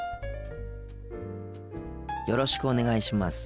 よろしくお願いします。